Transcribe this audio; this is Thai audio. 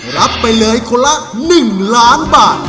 รับไปเลยคนละ๑ล้านบาท